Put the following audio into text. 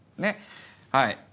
はい。